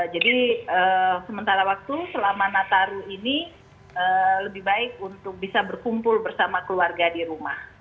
jadi sementara waktu selama nataru ini lebih baik untuk bisa berkumpul bersama keluarga di rumah